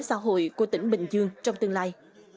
xã hội của tỉnh bình dương trong tương lai